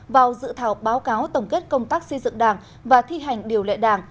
vào dự thảo báo cáo tổng kết công tác xây dựng đảng và thi hành điều lệ đảng